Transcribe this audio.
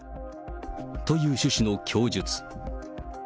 という趣旨の供述。